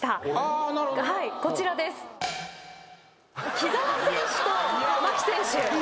木澤選手と牧選手。